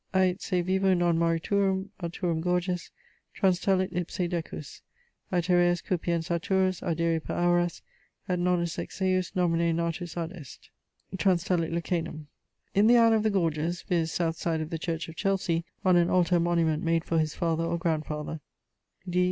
] ait se vivo non moriturum Arthurum Gorges: transtulit ipse decus. Aethereas cupiens Arthurus adire per auras Et nonus ex ejus nomine natus adest. [LXXIV.] transtulit Lucanum. In the aisle of the Gorges, viz. south side of the church of Chelsey on an altar monument made for his father or grandfather 'Dˢ.